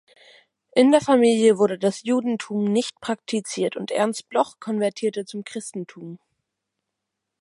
In der Familie wurde das Judentum nicht praktiziert und Ernst Bloch konvertierte zum Christentum.